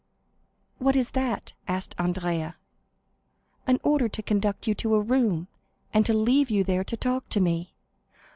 "What is that?" asked Andrea. "An order to conduct you to a room, and to leave you there to talk to me."